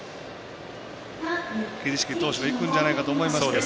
桐敷投手でいくんじゃないかと思いますけど。